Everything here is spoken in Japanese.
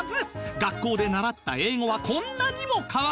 学校で習った英語はこんなにも変わったんです